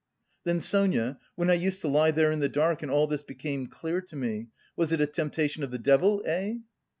"Then Sonia, when I used to lie there in the dark and all this became clear to me, was it a temptation of the devil, eh?"